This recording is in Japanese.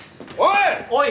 おい！